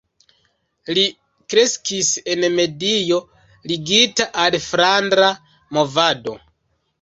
Li kreskis en medio ligita al Flandra Movado.